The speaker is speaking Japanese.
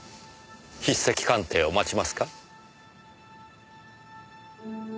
筆跡鑑定を待ちますか？